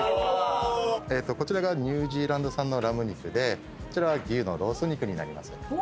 こちらがニュージーランド産のラム肉でこちらは牛のロース肉になります。